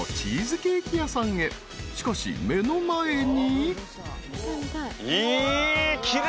［しかし目の前に］